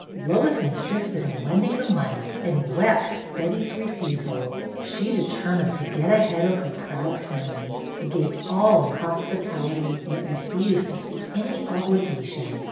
Lois insisted on lending the money and wept at Betty's refusal. She determined to get ahead of her proud friends, who gave all in hospitality, yet refused to see any obligation.